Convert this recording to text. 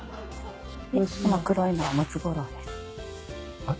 この黒いのはムツゴロウです。えっ？